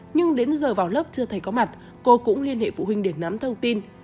nhưng đến giờ vào lớp chưa thấy có mặt cô cũng liên hệ phụ huynh để nắm thông tin